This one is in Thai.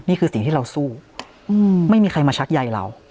นี่คือสิ่งที่เราสู้ไม่มีใครมาชักใยเรา